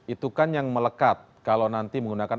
penyataan yang melekat kalau nanti menggunakan